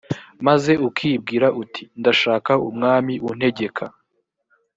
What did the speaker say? maze ukibwira uti ndashaka umwami untegeka